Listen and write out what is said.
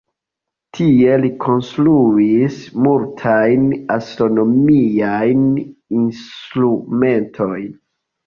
Tie li konstruis multajn astronomiajn instrumentojn.